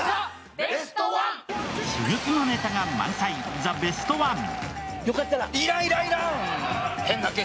珠玉のネタが満載、「ザ・ベストワン」。